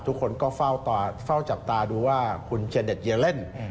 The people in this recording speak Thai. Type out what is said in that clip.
ทุกคนก็เฝ้าจับตาดูว่าคุณเชนเด็ดเยียเล่น